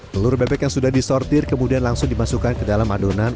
telur bebek yang sudah disortir kemudian langsung dimasukkan ke dalam adonan